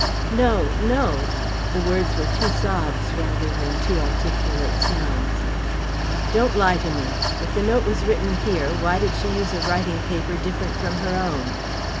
"No, no!" The words were two sobs rather than two articulate sounds. "Don't lie to me! If the note was written here, why did she use a writing paper different from her own?